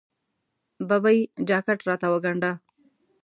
ببۍ! جاکټ راته وګنډه.